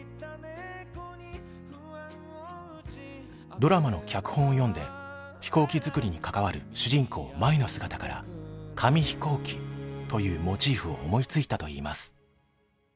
ドラマの脚本を読んで飛行機作りに関わる主人公舞の姿から紙飛行機というモチーフを思いついたといいます。